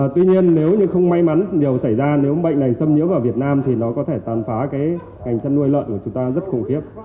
tuy nhiên nếu như không may mắn điều xảy ra nếu bệnh này xâm nhiễm vào việt nam thì nó có thể tàn phá cái ngành chăn nuôi lợn của chúng ta rất khủng khiếp